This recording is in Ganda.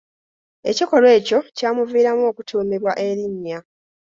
Ekikolwa ekyo kyamuviiramu okutuumibwa erinnya.